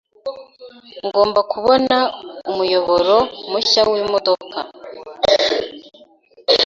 Ngomba kubona umuyoboro mushya wimodoka.